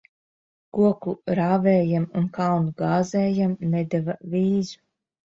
Koku rāvējam un kalnu gāzējam nedeva vīzu.